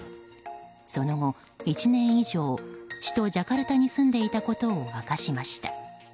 その後１年以上首都ジャカルタに住んでいたことを明かしました。